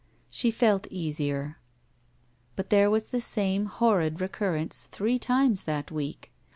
le fel^ easier, but there was the §9me horri4 GUILTY recurrence three times that week.